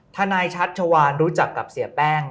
ทนายชัชวานรู้จักกับเสียแป้ง